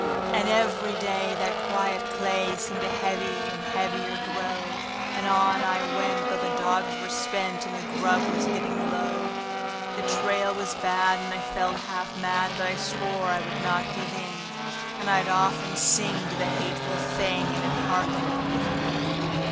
And every day that quiet clay seemed to heavy and heavier grow; And on I went, though the dogs were spent and the grub was getting low; The trail was bad, and I felt half mad, but I swore I would not give in; And I'd often sing to the hateful thing, and it hearkened with a grin.